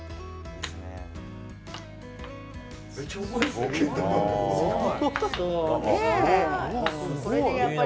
めっちゃうまいですね。